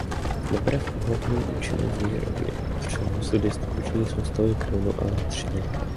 Nebere v úvahu účinnost výroby a přenosu distribuční soustavy plynu a elektřiny.